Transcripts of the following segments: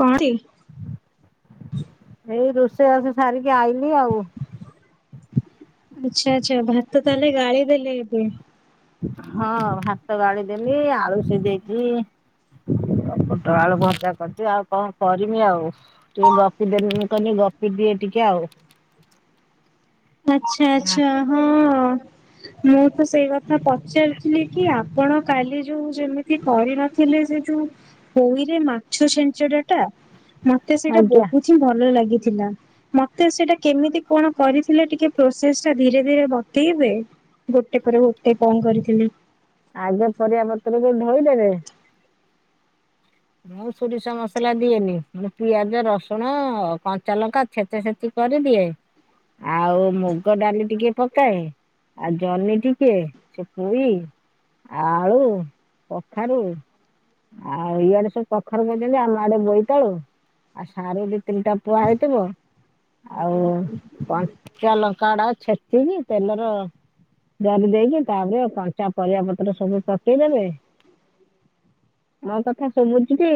କଅଁରି [inaudible] ସେ ଆସ ସାରିକ ଆଇଲି ଆଉ। [inaudible] ଆଛା ଆଚ୍ଛା ଭାତ ତ ତାହଲେ ଗାଳି ଦେଲେ ଏବେ। ହଁ ଭାତ ଗଳିଦେଲିି ଆଳୁ ସିଜେଇ ଦେଇକି ପୁଟଳ ଆଳୁ ଭଜା କରିଛି ଆଉ କଣ କରିମି। ଆଉ ଟିକେ ଗପି ଦେଲି କନି ଗପି ଦିଏ ଟିକେ ଆଉ। [inaudible] ଆଚ୍ଛା ଆଚ୍ଛା ହଁ। ମୁଁ ତ ସେଇ କଥା ପଚାରିଥିଲି କି ଆପଣ କାଲି ଯୋଉ ଯେମିତି କରିନଥିଲେ ସେ ଯୋଉ ପୋଇରେ ମାଛ ଛେଞ୍ଚଡାଟା ମତେ ସେଇଟା ଆଜ୍ଞା ବହୁତ ହିଁ ଭଲ ଲାଗେ। ମତେ ସେଟା କେମିତି କଣ କରି ଥିଲେ ଟିକେ ପ୍ରୋସେସ ଟା ଧୀରେ ଧୀରେ ବତେଇବେ ଗୋଟେ ପରେ ଗୋଟେ କଣ କରିଥିଲି। ଆଗେ ପରିବା ପତ୍ର କୁ ଧୋଇଦେବେ। ମୁଁ ସୋରିଷ ମସଲା ଦିଏନି ମୁଁ ପିଆଜ ରସୁଣ କଞ୍ଚା ଲଙ୍କା ଛେଚା ଛେଚି କରିଦିଏ। ଆଉ ମୁଗ ଡାଲି ଟିକେ ପକାଏ। ଆଉ ଜହ୍ନି ଟିକେ ସେ ପୋଇ ଆଳୁ କଖାରୁ ଆଉ ଇଆଡେ ସ ପଖର କରିଛନ୍ତି ଆମ ଆଡେ ବୋଇତାଳୁ ଆଉ ସାର ଦି ତିନିଟା ପୁଆ ହେଇଥିବ। ଆଉ କଞ୍ଚା ଲଙ୍କା ଟା ଛେଚିକି ତେଲର ଜରି ଦେଇେଇକି ତାପରେ କଞ୍ଚା ପରିବା ପତ୍ର ସବୁ ପକେଇଦେବେ। [inaudible] ମୋ କଥା ସବୁଛିକି?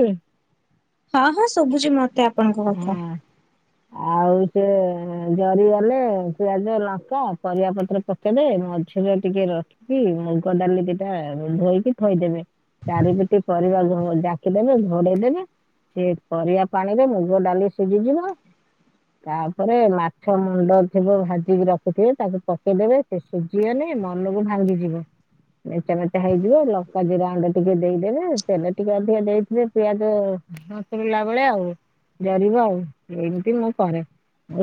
ହଁ ହଁ ସବୁଛି ମତେ ଆପଣଙ୍କ ହଁ କଥା। ଆଉ ସେ ଜରିଗଲେ ପିଆଜ ଲଙ୍କା ପରିବା ପତ୍ର ପକେଇଦେବେ। ମଝିରେ ଟିକେ ରଖିକି ମୁଗ ଡାଲି ଦିଟା ଧୋଇକି ଥୋଇଦେବେ। ଚାରିପିଟି ପରିବା ଜାକି ରଖିଦେବେ ଘଡେଇଦବେ ସେ ପରିବା ପାଣିରେ ମୁଗ ଡାଲି ସିଝିଯିବ। ତାପରେ ମାଛ ମୁଣ୍ଡ ଥିବ ଭାଜିିକି ରଖୁଥିବେ। ତାକୁ ପକେଇଦବେ ସେ ସୁଝିଗଲେ ମନକୁ ଭାଙ୍ଗିଯିବ। ଲେଚା ମେଚା ହେଇଯିବ ଲଙ୍କା ଜିରା ଆଣ୍ଡେ ଟିକେ ଦେଇଦେବେ। ତେଲ ଟିକେ ଅ ଟିକେ ଦେଇଥିଲେ ପିଆଜ ମସଲା ଭଳିଆ ବେଳେ ଆଉ ଜରିବ। ଆଉ ଏମିତି ମୁଁ କରେ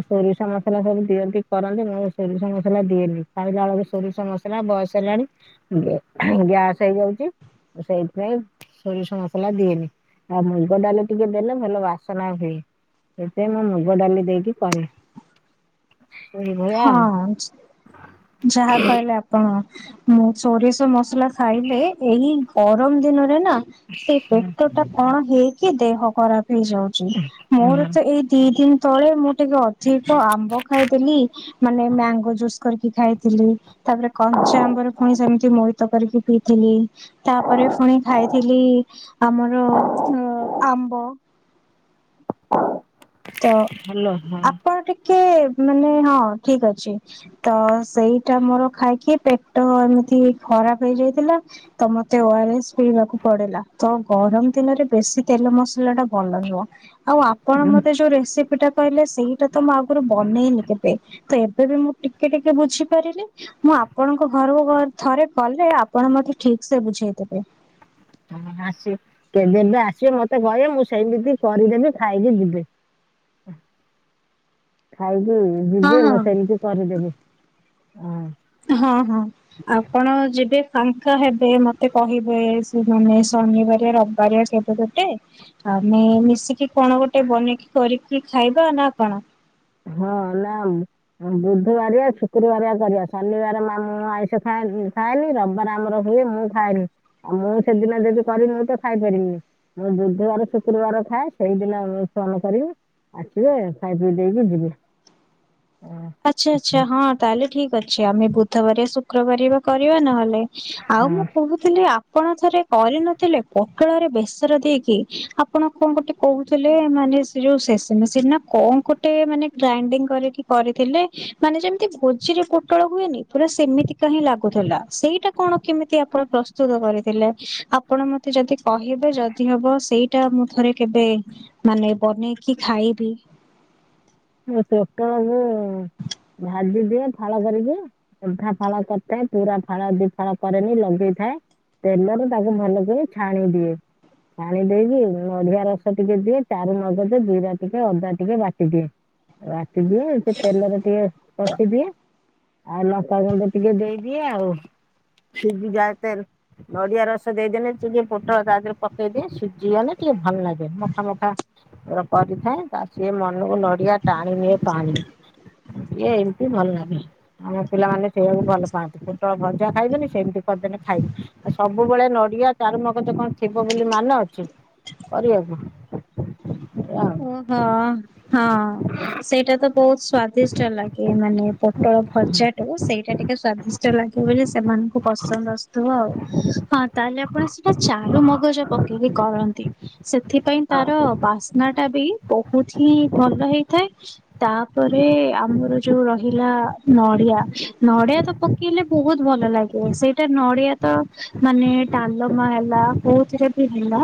ସୋରିଷ ମସଲା ସବୁ ଦିଅନ୍ତି କରନ୍ତି ମୁଁ ସୋରିଷ ମସଲା ଦିଏନି। ଖାଳିିଲା ବଳରେ ସୋରିଷ ମସଲା ବୟସ ହେଲାଣି ଗ୍ୟାସ୍ ହେଇଯାଉଛି। ସେଇଥିପାଇଁ ସୋରିଷ ମସଲା ଦିଏନି ଆଉ ମୁଗ ଡାଲି ଟିକେ ଦେଲେ ଭଲ ବାସନା ହୁଏ। ସେଥିାଇଁ ମୁଁ ମୁଗ ଡାଲି ଦେଇକି କରେ। ଏଇଭଳିଆ ହଁ ଆଉ ଯାହା କହିଲେ ଆପଣ। ମୁଁ ସୋରିଷ ମ ସଲା ଖାଇଲେ ଏଇ ଗରମ ଦିନରେ ନା ସେ ପେଟ ଟା କଣ ହେଇ କି ଦେହ ଖରା ହେଇଯାଉଚି ମୋର ତ ଏଇ ଦି ଦିନ ତଳେ ମୁଁ ଟିକେ ଅଧିକ ଆମ୍ବ ଖାଇଦେଲି। ମାନେ ମ୍ୟାଙ୍ଗୋ ଜୁସ୍। କରିକି ଖାଇଥିଲି। ତାପରେ କଞ୍ଚା ଆମ୍ବରେ ପୁଣି ସେମିତି [unintelligible] କରିକି ପିଇଥିଲି। ତାପରେ ପୁଣି ଖାଇଥିଲି ଆମର ଅ ଆମ୍ବ। ତ ଭଲ ହଁ। ଆପଣ ଟିକେ ମାନେ ହଁ ଠିକ ଅଛି ତ ସେଇଟା ମୋର ଖାଇକି ପେଟ ଏମିତି ଖରାପ ହେଇଯାଇଥିଲା ତ ମତେ ଓ ଆର ଏସ୍ ପିଇବାକୁ ପଡିଲା ତ ଗରମ ଦିନରେ ବେଶୀ ତେଲ ମସଲାଟା ଭଲ ନୁହେଁ। ଆଉ ଆପଣ ମ ରେସିପି ଟା କହିଲେ ସେଇଟା ତ ମୁଁ ଆଗରୁ ବନେଇନି କେବେ ତ ଏବେ ବି ମୁଁ ଟିକେ ଟିକେ ବୁଝିପାରିଲି ମୁଁ ଆପଣଙ୍କ ଘରକୁ ଥରେ କଲେ ଆପଣ ମତେ ଠିକ ସେ ବୁଝେଇ ଦେବେ। ହଁ ଆସିବେ ଯେବେ ଆସିବେ ମତେ କହିବେ ମୁଁ ସେମିତି କରିଦେବି ଖାଇକି ଯିବି। ଖାଉ ହୁଁ ହଁ ଯିବେ ହଁ ମୁଁ ସେମିତି କରିଦେବି। ଉଁ ହଁ ହଁ ଆପଣ ଯେବେ ଫାଙ୍କା ହେବେ, ମତେ କହିବେ ସେ ମାନେ ଶନିବାରେ ରବିବାରେ କେବେ ଗୋଟେ ଆମେ ମିଶିକି କଣ ଗୋଟେ ବନେଇକି କରିକି ଖାଇବା ନା କଣ? ହଁ ନା ବୁଧବାରିଆ ଶୁକ୍ରବାରଆ କରିବା ଶନିବାର ମାମଁ ଆଇଁଷ ଖାଏ ଖାଏନି ରବିବାର ଆମର ହୁଏ ମୁଁ ଖାଏନି ଆଉ ମୁଁ ସେଦିନ ଯଦି କରି ମୁୁ ତ ଖାଇପାରିବିନି ମୁଁ ବୁଧବାର ଶୁକ୍ରବାର ଖାଏ ସେଇଦିନ ମୁ ଫୋନ କରିବି ଆସିବେ ଖାଇପି ଦେଇ ଯିବେ। ଆଚ୍ଛା ଆଚ୍ଛା ହଁ ତାହେଲେ ଠିକ୍ ଅଛି ଆମେ ବୁଧବାରିଆ ଶୁକ୍ରବାରିଆ ବା କରିବା ନହେଲେ ଆଉ ହଁ। ମୁଁ କୋହୁଥିଲି ଆ ଆପଣ ଥରେ କରିନଥିଲେ ପୋଟଳରେ ବେସର ଦେଇକି ଆପଣ କଣ ଗୋଟେ କୋହୁଥିଲେ ମାନେ ସେ ଯୋଉ ସେସେ ମେସି ନା କଣ ଗୋଟେ ମାନେ ଗ୍ରାଇଡିଙ୍ଗ କରିକି କରି ଥିଲେ ମାନେ ଯେମିତି ଭୋଜିରେ ପୋଟଳ ହୁଏନି ପୁରା ସେମିତିକା ହିିଁ ଲାଗୁଥିଲା, ସେଇଟା କଣ କେମିତି ଆପଣ ପ୍ରସ୍ତୁତ କରିଥିଲେ ଆପଣ ମତେ ଯଦି କହିବେ ଯଦି ହବ ସେଇଟା ମୁଁ ଥରେ କେବେ ମାନେ ବନେଇକି ଖାଇବି। ପୋଟଳକୁ ଭାଜିଦିଅ ଫାଳ କରିକି ଅଧା ଫାଳ କରିଥାଏ ପୁରା ଫାଳ ଦିଫାଳ କରେନି ଲଗେଇଥାଏ, ତେଲରେ ତାକୁ ଭଲକରି ଛାଣି ଦିଏ, ଛାଣି ଦେଇକି ନଡିିଆ ରସ ଟିକେ ଦିଏ ଚାରୁ ମଗଦ ଜିରା ଟିକେ ଅଦା ଟିକେ ବାଟିଦିଏ। [unintelligible] ଦିଅ ସେ ତେଲରେ ଟିକେ କଷି ଦିଏ। ଆଉ ଲଙ୍କା ଗୁଣ୍ଡ ଟିକେ ଦେଇଦିଏ ଆଉ, ସିଝି ଯାଏ ତେ ନଡିଆ ରସ ଦେଇଦେଲେ ଟିକେ ପୋଟଳ ତା ଦେହରେ ପକେଇଦିଏ ସିଝିଗଲେ ଟିକେ ଭଲ ଲାଗେ ମଖା ମଖା କରିଥାଏ ତା ସିଏ ମନକୁ ନଡିଆ। ଟାଣିଏନି ପାଣି ଇଏ ଏମତି ଭଲ ଲାଗେ, ଆମ ପିଲାମାନେ ସେଇଆକୁ ଭଲ ପାଆନ୍ତି, ପୋଟଳ ଭଜା ଖାଇବେନି ସେମିତି କରିଦେଲେ ଖାଇବି ଆଉ ସବୁବେଳେ ନଡିଆ ଚାରୁମଗ କଣ ଥିବ ବୋଲି ମାନେ ଅଛି କରିବାକୁ। ଆଉ। ଓ ହ। ହଁ ସେଇଟା ତ ବହୁତ ସ୍ଵାଦିଷ୍ଟ ଲାଗେ ମାନେ ପୋଟଳ ଭଜା ଠୁ ସେଇଟା ଟିକେ ସ୍ଵାଦି ଲାଗେ ବୋଲି ସେମାନଙ୍କୁ ପସନ୍ଦ ଆସୁଥିବ ଆଉ, ହଁ ତାହେଲେ ଆପଣ ସେଟା ଚାରୁ ମଗଜ ପ ଟିକେ କରନ୍ତି। ସେଥିପାଇଁ ଆଉ ତାର ବାସ୍ନା। ଟା ବି ବହୁତ ହିଁ ଭଲ ହେଇଥାଏ, ତାପରେ ଆମର ଯୋଉ ରହିଲା ନଡିଆ ନଡିଆ ତ ପକେଇଲେ ବହୁତ ଭଲ ଲାଗେ, ସେଇଟା ନଡିଆ ତ ମାନେ ଡାଲମା ହେଲା କୋଉଥିରେ ବି ହେଲା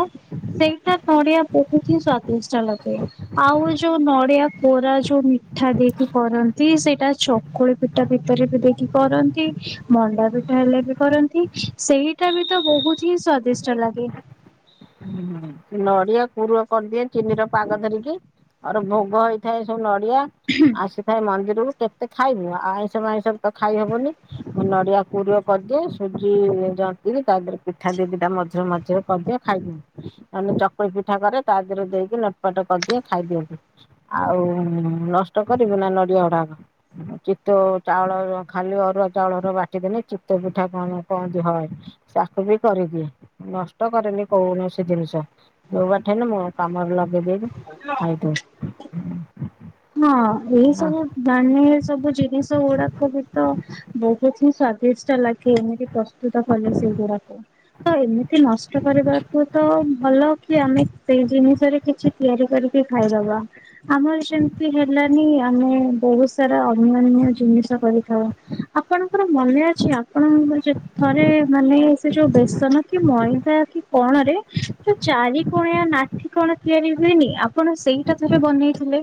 ସେଇଟା ନଡିଆ ବୋହୁତ ହିଁ ସ୍ଵାଦିଷ୍ଟ। [unintelligible] ଆଉ ଯୋଉ ନଡିଆ କୋରା ଯୋଉ ମିଠା ଦେଇକି କରନ୍ତି ସେଇଟା ଚକୁଳି ପିଠା ଭିତରେ ବି ଦେଇକି କରନ୍ତି ମଣ୍ଡା ପିଠା ହେଲେ ବି କରନ୍ତି ସେଇଟା ବି ତ ବହୁତ ହିଁ ସ୍ଵାଦିଷ୍ଟ ଲାଗେ। ନଡିଆ ପୁର କରିଦିଏ। ଚିନିର ପାଗ ଧରିକି ଆର ଭୋଗ ହେଇଥାଏ ସବୁ ନ ଏହା ଆସିଥାଏ ମନ୍ଦିରରୁ କେତେ ଖାଇବୁ ଆଇଁଷ ମାଇଁଷ ତ ଖାଇହବନି ନଡିଆ କୋରୁଅ କରିଦିଏ ସୁଜି ଯନ୍ତି ତାରେ ପିଠା ଦି ଦିଟା ମଝିରେ ମଝିରେ କରିଦିଏ ଖାଇଦିଅ। ମାନେ ଚକୁଳି ପିଠା କରେ ତା ଦେହରେ ଦେଇକି ନଟପଟ କରିଦିଏ ଖାଇଦିଅନ୍ତିୁ ଆଉ ଉମ୍ ଉମ୍ ନଷ୍ଟ କରିବୁ ନା ନଡିଆ ଗୁଡ଼ାକ ଚିତୋଉ ଚାଉଳ ଖାଲି ଅରୁଆ ଚାଉଳର ବାଟିଦେଲେ ଚିତୋଉ ପିଠା କ-କହନ୍ତି ହୁଏ କ-ତାକୁ ବି କରିଦିଏ ନଷ୍ଟ କରେନି କୌଣସି ଜିନିଷ। ଯୋଉବାଟେ ହେଲେ ମୋ କାମରେ ଲ ଆ ହ [inaudible] ହଁ ଏଇ ସବୁ ଧ୍ୟାନେ ସବୁ ଜିନିଷ ଗୁଡାକ ବି ତ ବହୁତ ହିଁ ସ୍ୱା ଲାଗି ଏମିତି ପ୍ରସ୍ତୁତ କଲେ ସେଇଗୁଡାକୁ ତ ଏମିତି ନଷ୍ଟ କରିବାକୁ ତ ଭଲ କି ଆମେ ସେଇ ଜିନିଷରେ କିଛି ତିଆରି କରିକି ଖାଇଦବା ଆମରି ହେଲାନି ଆମେ ବହୁତ ସାରା ଅନ୍ୟନ୍ୟ ଜିନିଷ କରିଥାଉ। ଆପଣଙ୍କର ମନେ ଅଛି ଆପଣଙ୍କ ଯେ ଥରେ ମାନେ ସେ ଯୋଉ ବେସନ କି ମଇଦା କି କଣରେ ଚାରି କୋଣିଆ ନାଠି କଣ ତିଆରି ହୁଏନି ଆପଣ ସେଇଟା ଥରେ ବନେଇଥିଲେ।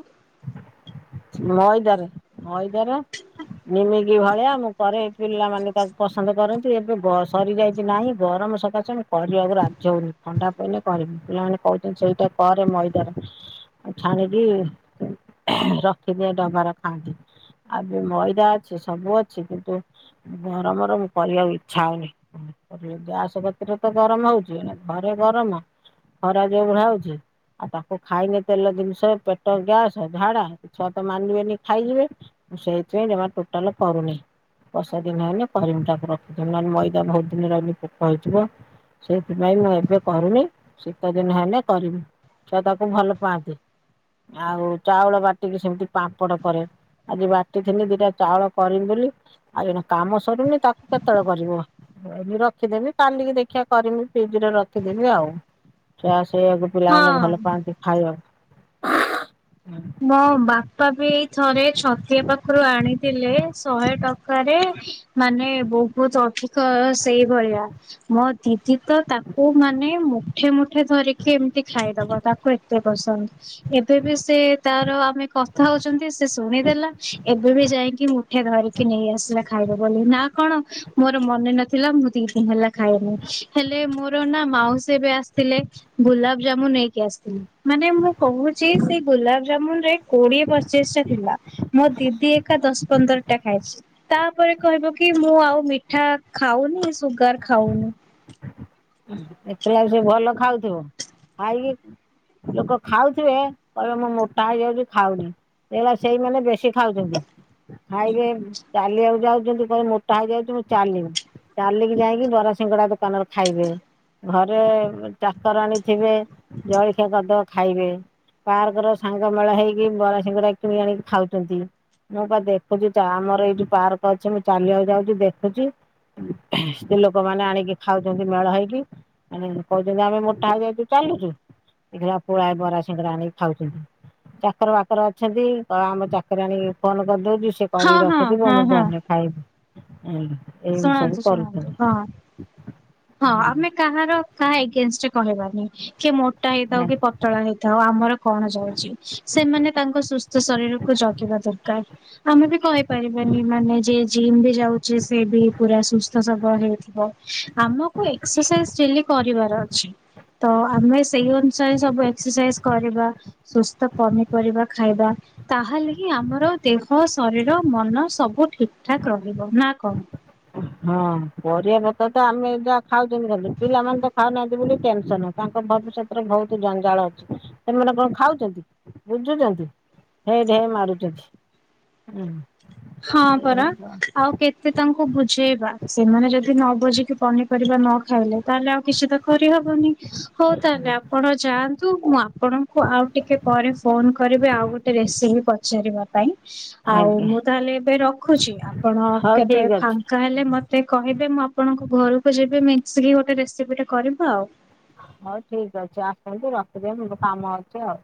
ମଇଦାରେ ମଇଦାରେ ନିମିକି ଏଭଳିଆ ମୁଁ କରେ ପିଲାମାନେ ତାକୁ ପସନ୍ଦ କରନ୍ତି। ଏବେ ଗ- ସରିଯାଇଛି ନାହିଁ ଗରମ ସକାଶେ ମୁଁ କରିବାକୁ ରାଜି ହଉନି ଥଣ୍ଡା ପଡ଼ିଲେ କରିବି ପିଲାମାନେ କହୁଛନ୍ତି ସେଇଟା କରେ ମଇଦାରେ ଆଉ ଛାଣିକି ରଖ ଏଠିନି ଡବାର ଖାଆନ୍ତି ଆ ବି ମଇଦା ଅଛି ସବୁ ଅଛି କିନ୍ତୁ ଗରମର ମୁଁ କରିବାକୁ ଇଚ୍ଛା ହଉନି ଗ୍ୟାସ ଗତିରେ ତ ଗରମ ହଉଛି ଘରେ ଗରମ ଖରା ଯୋଉଭଳିଆ ହଉଚି ଆଉ ତାକୁ ଖାଇଲେ ତେଲ ଜିନିଷ ପେଟ ଗ୍ୟାସ ଝାଡ଼ା ଛୁଆ ତ ମାନିବେନି ଖାଇଯିବେ ମୁଁ ସେଇଥିପାଇଁ ଜମା ଟୋଟାଲ କରୁନି ବର୍ଷା ଦିନ ହେଲେ କରିମି ତାକୁ ରଖି ନହେଲେ ମଇଦା ବହୁତ ଦିନ ରହିଲେ ପୋକ ହେଇଯିବ ସେଇଥିପାଇଁ ମୁଁ ଏବେ କରୁନି। ଶୀତ ଦିନ ହେଲେ କରିମି ଛୁଆ ତାକୁ ଭଲ ପାଆନ୍ତି ଆଉ ଚାଉଳ ବାଟ ଟିକେ ସେମିତି ପାମ୍ପଡ କରେ ଆଜି ବାଟିଥିଲି ଦିଟା ଚାଉଳ କରିମି ବୋଲି ଆଉ ଜଣ କାମ ସରୁନି ତାକୁ କେତେବେଳେ କରିବ ରଖିଦେମି କାଲିକି ଦେଖିବା କରିମି ଫ୍ରିଜ ରେ ରଖିଦେମି ଆଉ। ସେଇଆକୁ ପିଲାମାନେ ହଁ ଭଲ ପାଆନ୍ତି ଖାଇବାକୁ। ହୁଁ। ମୋ ବାପା ବି ଏଇ ଥରେ ଛତିଆ ପାଖରୁ ଆଣିଥିଲେ ଶହେ ଟଙ୍କାରେ ମାନେ ବହୁତ ଅଧିକ ସେଇଭଳିଆ ମୋ ଦିଦି ତ ତାକୁ ମାନେ ମୁଠେ ମୁଠେ ଧରିକି ଏମିତି ଖାଇଦବ ତାକୁ ଏତେ ପସନ୍ଦ ଏବେ ବି ସେ ତାର ଆମେ କଥା ହଉଛନ୍ତି ସେ ଶୁଣିଦେଲା ଏବେ ବି ଯାଇକି ମୁଠେ ଧରିକି ନେଇ ଆସିଲା ଖାଇବ ବୋଲି ନା କଣ ମୋର ମନେ ନଥିଲା ମୁଁ ଦି ଦିନ ହେଲା ଖାଇଲିି ହେଲେ ମୋର ନା ମାଉସୀ ଏବେ ଆସିଥିଲେ ଗୁଲାବ ଜାମୁ ନେଇକି ଆସିଥିଲେ ମାନେ ମୁଁ କହୁଛି ସେ ଗୁଲା ଯେମୁ ରେ କୋଡିଏ ପଚିଶ ଟା ଥିଲା ମୋ ଦିଦି ଏକା ଦଶ ପନ୍ଦର ଟା ଖାଇଛି। ତାପରେ କହିବ କି ମୁଁ ଆଉ ମିଠା ଖାଉନି ସୁଗାର ଖାଉନି। ଦେଖିଲ ସେ ଭଲ ଖାଉଥିବ ଖାଇକି ଲୋକ ଖାଉଥିବେ କହିଲେ ମୁଁ ମୋଟା ହେଇଯାଉଛି ଖାଉନି ଦେଖିଲାବେଳକୁ ସେଇମାନେ ବେଶୀ ଖାଉଛନ୍ତି ଖାଇବେ ଚାଲିବାକୁ ଯାଉଛନ୍ତି କହେ ମୋଟା ହେଇଯାଉଛି ମୁଁ ଚାଲିବି ଚାଲିକି ଯାଇକି ବରାସିିଙ୍ଗଡା ଦୋକାନରେ ଖାଇବେ। ଘରେ ଚାକର ଆଣିଥିବେ ଜଳଖିଆ କଦ ଖାଇବେ ପାର୍କ ର ସାଙ୍ଗ ମେଳ ହେଇକି ବରା ସିଙ୍ଗଡା କିଣି ଆଣିକି ଖାଉଛନ୍ତି ମୁଁ କ ଦେଖୁଛି ଆମର ଏଇ ଯଉ ପାର୍କ ଅଛି ମୁଁ ଚାଲିବାକୁ ଯାଉଛି ଦେଖୁଛି ସ୍ତ୍ରୀ ଲୋକମାନେ ଆଣିକି ଖାଉଛନ୍ତି ମେଳ ହେଇକି। କହୁଛନ୍ତି ଆମେ ମୋଟା ହୋଇଛୁ ଚାଲୁଛୁ ଏ ପୋଳା ବରା ସିଙ୍ଗଡା ଆଣିକି ଖାଉଛନ୍ତି ଚାକର ବାକର ଅଛନ୍ତି ଆମ ଚାକିରିଣି ଆଣିକି ଫୋନ କରିଦଉଛି ସେ ହଁ କରି ରଖିଥିବ ମୁଁ ଘରେ ଖାଇବି। ଏମିତି ଏମିତି ସବୁ ଶୁଣାନ୍ତୁ ଶୁଣାନ୍ତୁ କରୁଛନ୍ତି। ହଁ ହଁ ଆମେ କାହାର କାହା ଏଗେଷ୍ଟ କହିବାନି। କି ମୋଟା ହେଇଥାଉ ନା କି ପତଳା ହେଇଥାଉ ଆମର କଣ ଯାଉଛି ସେମାନେ ତାଙ୍କ ସୁସ୍ଥ ଶରୀରକୁ ଜଗିବା ଦରକାର ଆମେ ବି କହିପାରିବାନି ମାନେ ଯ ଜିମ୍ ବି ଯାଉଛି ସେ ବି ପୁରା ସୁସ୍ ହେଇଥିବ ଆମକୁ ଏକ୍ସରସାଇଜ ଡେ କରିବାର ଅଛି ତ ଆମେ ସେଇ ଅନୁସାରେ ସବୁ ଏକ୍ସରସାଇଜ କରିବା। ସୁସ୍ଥ ପନିପରିବା ଖାଇବା ତାହେଲେ ହି ଆମର ଦେହ ଶରୀର ମନ ସବୁ ଠିକ ଠାକ ରହିବ ନା କଣ ହଁ, ପରିବା ପତର ତ ଆମେ, ଯାହା ଖାଉଛନ୍ତି, ଖାଉଛନ୍ତି ପିଲାମାନେ ତ ଖାଉନାହାନ୍ତି, ବୋଲି ଟେନସନ ୲ ତାଙ୍କ ଭବିଷ୍ୟତରେ ବହୁତ, ଜଞ୍ଜାଳ ଅଛି, ସେମାନେ କଣ ଖାଉଛନ୍ତି, ବୁଝୁଛନ୍ତି ହେ ଢେ, ମାରୁୁଛନ୍ତି। ହଁ, ପରା ଆଉ, କେତେ ତାଙ୍କୁ ବୁ ବୁଝେଇବା, ସେମାନେ ଯଦି ନ ବୁଝିକି ପନି, ପରିବା ନ ଖାଇଲେ ୲ ତାହେଲେ ଆଉ କିଛି, ଦେଖ ହବନି, ହଉ ତାହେଲେ ଆପଣ, ଯାଆ କିନ୍ତୁ, ମୁଁ ଆପଣଙ୍କୁ ଆଉ ଟିକେ ପରେ, ଫୋନ କରିବି ଆଉ ଗୋଟେ ରେସିପି ପଚାରିବା, ପାଇଁ। ଆଉ, ଆଜ୍ଞା ମୁଁ ତା ହେଲେ, ଏବେ ରଖୁଛି ୲ ଆପଣ ହଉ କେବେ ଠିକ ଅଛି ଫାଙ୍କା ହେଲେ, ମତେ କହିବେ, ମୁଁ ଆପଣଙ୍କ ଘରକୁ ଯିବି ୲ ମିଶ୍ରି, ଗୋଟେ ରେସିପି ଟା କରିବା, ଆଉ ୲ ହଉ ଠିକ ଅଛି, ଆସନ୍ତୁ ରଖି ଦିଅନ୍ତୁ, ମୋର କାମ ଅଛି ଆଉ।